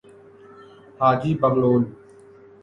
حاجی بغلول